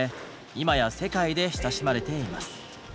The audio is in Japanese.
今や世界で親しまれています。